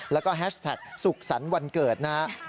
แล้วก็แฮชแท็กสุขสรรค์วันเกิดนะครับ